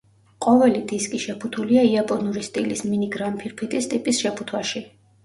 ყოველი დისკი შეფუთულია იაპონური სტილის მინი გრამფირფიტის ტიპის შეფუთვაში.